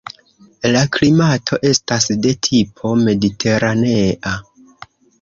La klimato estas de tipo mediteranea.